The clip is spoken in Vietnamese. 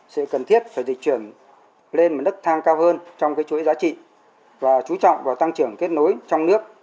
sẽ cần thiết phải dịch trưởng lên một đất thang cao hơn trong chuỗi giá trị và chú trọng vào tăng trưởng kết nối trong nước